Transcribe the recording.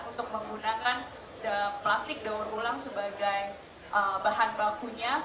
untuk menggunakan plastik daur ulang sebagai bahan bakunya